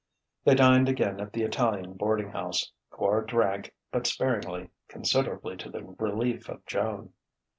They dined again at the Italian boarding house. Quard drank but sparingly, considerably to the relief of Joan....